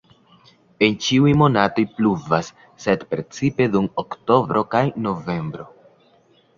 En ĉiuj monatoj pluvas, sed precipe dum oktobro kaj novembro.